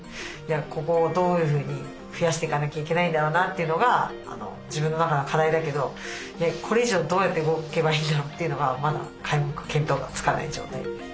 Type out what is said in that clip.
ここをどういうふうに増やしていかなきゃいけないんだろうなというのが自分の中の課題だけどこれ以上どうやって動けばいいんだろうというのがまだ皆目見当がつかない状態です。